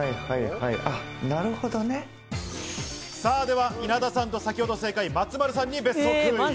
では稲田さんと先ほど正解、松丸さんに別荘クイズ。